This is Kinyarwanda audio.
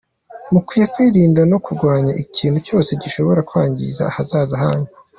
Mukwiye kwirinda no kurwanya ikintu cyose gishobora kwangiza ahazaza hanyu.